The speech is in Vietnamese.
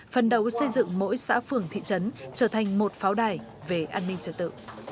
phần đầu xây dựng mỗi xã phường thị trấn trở thành một pháo đài về an ninh trật tự